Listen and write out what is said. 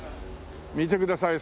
見てください